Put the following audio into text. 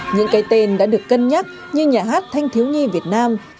những cái tên đã được cân nhắc như nhà hát thanh thiếu nhi việt nam